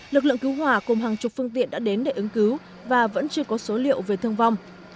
lực lượng cứu hỏa cùng hàng chục phương tiện đã đến để ứng cứu và vẫn chưa có số liệu về thương vong